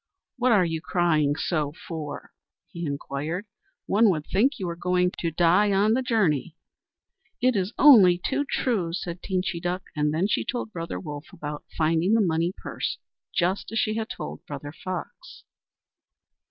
"What are you crying so for?" he inquired. "One would think you were going to die on the journey." "It is only too true," said Teenchy Duck, and then she told Brother Wolf about finding the money purse, just as she had told Brother Fox.